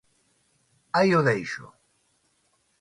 Aí o deixo.